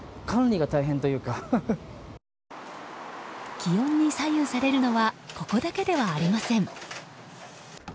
気温に左右されるのはここだけではありません。